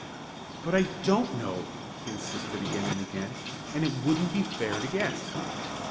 "But I don't know!" he insisted again and again. "And it wouldn't be fair to guess."